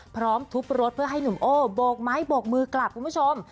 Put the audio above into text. พร้อมทุบรถเพื่อให้หนุ่มโอ้โบกไม้โบกมือกลับคุณผู้ชม